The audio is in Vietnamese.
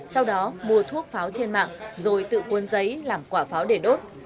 sau đó mua thuốc pháo trên mạng rồi tự cuốn giấy làm quả pháo để đốt